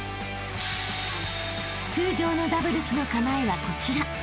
［通常のダブルスの構えはこちら］